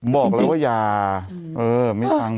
บอกแล้วว่าอย่าเออไม่ทังเลย